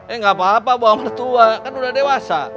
eh gak apa apa bawa mertua kan udah dewasa